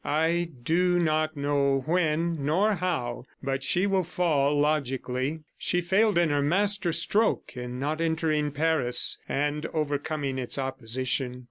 "I do not know when nor how, but she will fall logically. She failed in her master stroke in not entering Paris and overcoming its opposition.